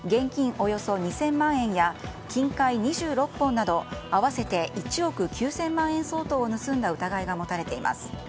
およそ２０００万円や金塊２６本など合わせて１憶９０００万円相当を盗んだ疑いが持たれています。